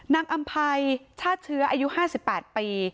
อำภัยชาติเชื้ออายุ๕๘ปี